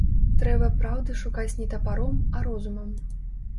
Трэба праўды шукаць не тапаром, а розумам.